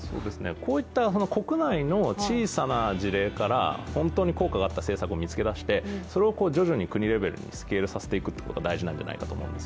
こういった国内の小さな事例から本当に効果があった政策を見つけ出して、それを徐々に国レベルにスケールさせていくということが大事だと思うんです。